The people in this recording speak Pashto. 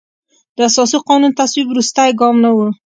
د اساسي قانون تصویب وروستی ګام نه و.